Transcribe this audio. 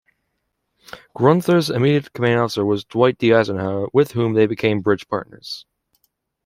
Gruenther's immediate commanding officer was Dwight D. Eisenhower with whom they became bridge partners.